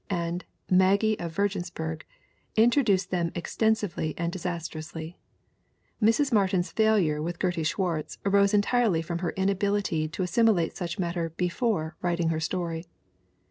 and Maggie of Virginsburg, introduce them ex tensively and disastrously. Mrs. Martin's failure with Gertie Swartz arose entirely from her inability to as similate such matter before writing her story.